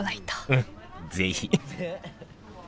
うんぜひ！